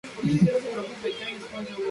Es un destacado actor y productor venezolano.